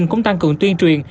cũng tăng cường tuyên truyền